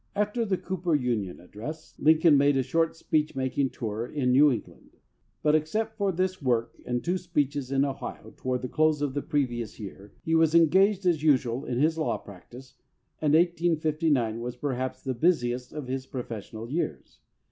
After the Cooper Union address, Lincoln made a short speech making tour in New Eng land; but except for this work and two speeches in Ohio toward the close of the previous year, he was engaged as usual in his law practice, and 1859 was perhaps the busiest of his professional years.